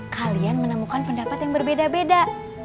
kalian menemukan pendapat yang berbeda beda